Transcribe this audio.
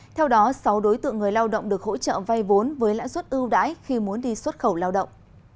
theo đó sáu đối tượng người lao động được hỗ trợ vay vốn với lãi suất ưu đãi khi muốn đi xuất khẩu lao động